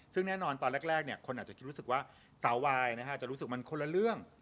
ซึ่งแน่นอนตอนแรกคนอาจจะคิดรู้สึกว่าสาววายจะรู้สึกมันคนละเรื่อง